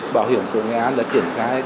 bảo hiểm xã hội nghệ an đã triển khai